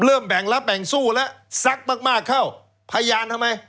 แบ่งรับแบ่งสู้แล้วซักมากมากเข้าพยานทำไม